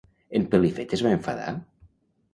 En Pelifet es va enfadar?